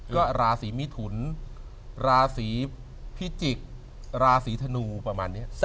ก็ราศีมิถุนราศีพิจิกษ์ราศีธนูประมาณนี้